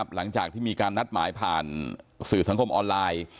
หลังจากที่มีการนัดหมายผ่านสื่อสังคมออนไลน์